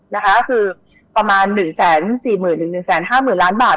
๑แสน๔หมื่นหรือ๑แสน๕หมื่นล้านบาท